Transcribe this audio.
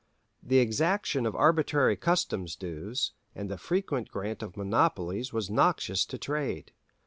The exaction of arbitrary customs dues, and the frequent grant of monopolies was noxious to trade.